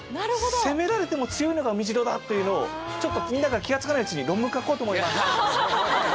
攻められても強いのが海城だというのをちょっとみんなが気がつかないうちに論文書こうと思います。